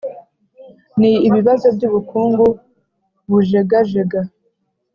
ni ibibazo by’ubukungu bujegajega